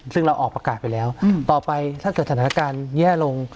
ซึ่งเราออกประกาศไปแล้วต่อไปถ้าเกิดสถานการณ์แย่ลง